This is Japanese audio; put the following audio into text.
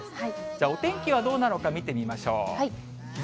じゃあお天気はどうなのか、見てみましょう。